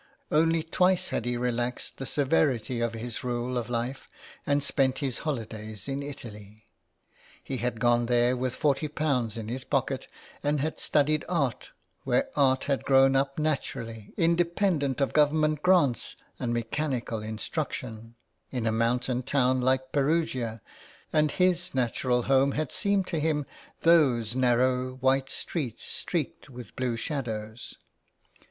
Only twice had he relaxed the severity of his rule of life and spent his holidays in Italy. He had gone there with forty pounds in his pocket, and had studied art where art had grown up naturally, independent of Government grants and mechanical instruction, in a mountain town like Perugia ; and his natural home had seemed to him those narrow, white streets streaked with blue shadows.